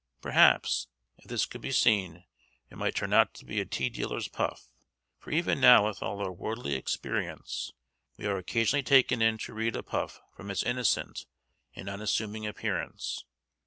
Perhaps, if this could be seen, it might turn out to be a tea dealer's puff, for even now with all our worldly experience, we are occasionally taken in to read a puff from its innocent and unassuming appearance.